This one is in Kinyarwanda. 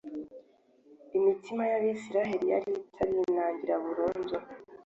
imitima yAbisirayeli yari itarinangira burundu